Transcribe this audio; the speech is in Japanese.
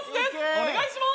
お願いしまーす！